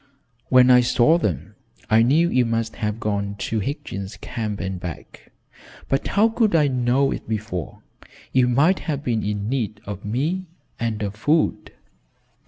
"When I saw them, I knew you must have gone to Higgins' Camp and back, but how could I know it before? You might have been in need of me, and of food."